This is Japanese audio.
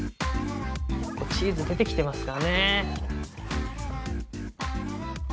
チーズ出てきてますからね。